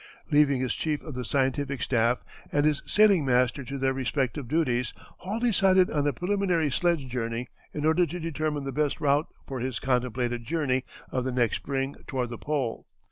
Leaving his chief of the scientific staff and his sailing master to their respective duties, Hall decided on a preliminary sledge journey in order to determine the best route for his contemplated journey of the next spring toward the pole.